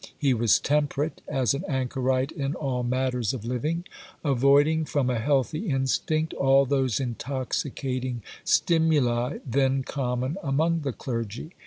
He was temperate as an anchorite in all matters of living,—avoiding, from a healthy instinct, all those intoxicating stimuli then common among the clergy.